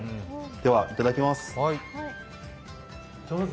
では、いただきます。